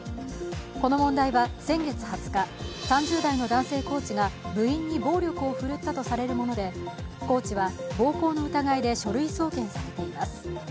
この問題は、先月２０日、３０代の男性コーチが部員に暴力を振るったとされるものでコーチは暴行の疑いで書類送検されています。